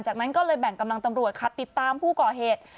จากนั้นก็เลยแบ่งกำลังตำรวจคัดติดตามผู้ก่อเหตุ